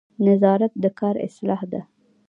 نظارت د کار اصلاح ده